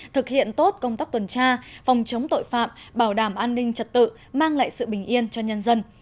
thực hiện tốt công tác tuần tra phòng chống tội phạm bảo đảm an ninh trật tự mang lại sự bình yên cho nhân dân